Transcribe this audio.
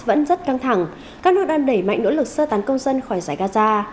vẫn rất căng thẳng các nước đang đẩy mạnh nỗ lực sơ tán công dân khỏi giải gaza